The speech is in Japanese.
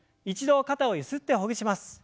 一度肩をゆすってほぐします。